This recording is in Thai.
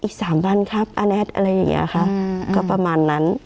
อีกสามบ้านครับอะไรอย่างนี้ค่ะก็ประมาณนั้น